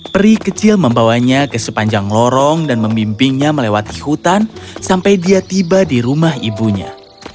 pri kecil membawanya ke sepanjang lorong dan membimbingnya melewati hutan sampai dia tiba di rumah ibunya